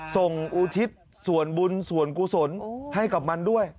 อุทิศส่วนบุญส่วนกุศลให้กับมันด้วย